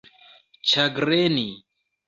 ĉagreni